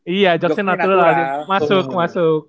iya joksin natural masuk masuk